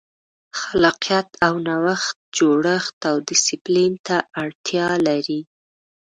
خلاقیت او نوښت جوړښت او ډیسپلین ته اړتیا لري.